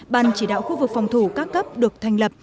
ban chỉ đạo khu vực phòng thủ các cấp được thành lập